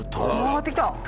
上がってきた！